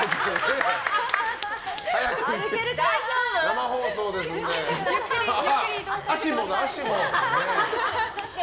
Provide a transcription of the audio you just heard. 生放送ですんで。